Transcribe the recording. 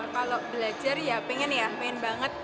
kalau belajar ya pengen ya pengen banget